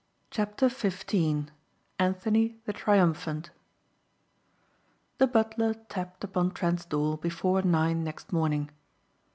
CHAPTER FIFTEEN ANTHONY THE TRIUMPHANT The butler tapped upon Trent's door before nine next morning.